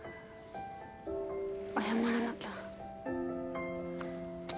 謝らなきゃ。